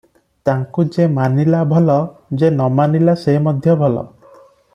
ତାଙ୍କୁ ଯେ ମାନିଲା ଭଲ, ଯେ ନ ମାନିଲା ସେ ମଧ୍ୟ ଭଲ ।